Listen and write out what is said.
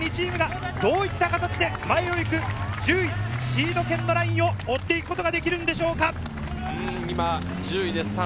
伝統校２チームがどういった形で前を行く１０位、シード権のラインを追って行くことができるんでしょうか。